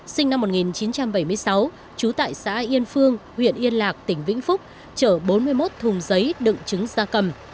sinh năm một nghìn chín trăm bảy mươi sáu trú tại xã yên phương huyện yên lạc tỉnh vĩnh phúc chở bốn mươi một thùng giấy đựng trứng da cầm